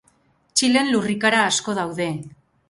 Txilen lurrikara asko daude.